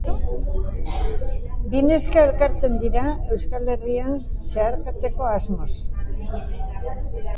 Bi neska elkartzen dira Euskal Herria zeharkatzeko asmoz.